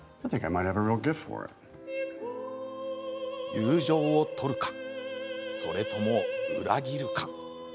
友情を取るか、それとも裏切るか。